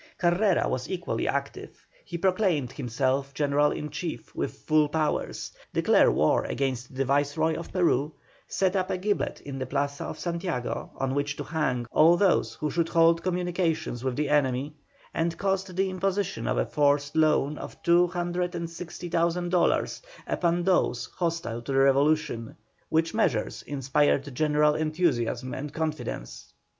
Carrera was equally active; he proclaimed himself General in chief with full powers, declared war against the Viceroy of Peru, set up a gibbet in the Plaza of Santiago, on which to hang all who should hold communication with the enemy, and caused the imposition of a forced loan of two hundred and sixty thousand dollars upon those hostile to the revolution, which measures inspired general enthusiasm and confidence.